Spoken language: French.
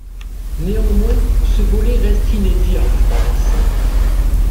Néanmoins, ce volet reste inédit en France.